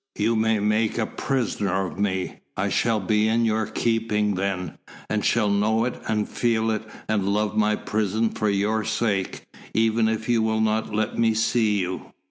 You may make a prisoner of me I shall be in your keeping then, and shall know it, and feel it, and love my prison for your sake, even if you will not let me see you.